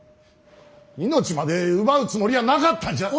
命まで奪うつもりはなかったんじゃ。